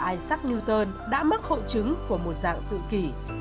hai sắc newton đã mắc hội chứng của một dạng tự kỷ